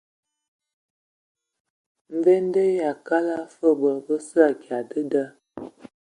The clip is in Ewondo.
Mvende yʼakala fə bod bəsə akya dəda.